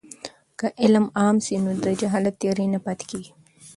که علم عام سي نو د جهالت تیارې نه پاتې کېږي.